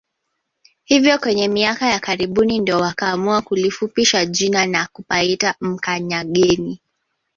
Hivyo kwenye miaka ya karibuni ndio wakaamua kulifupisha jina na kupaita Mkanyageni